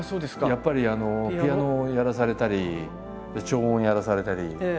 やっぱりピアノをやらされたり聴音やらされたり。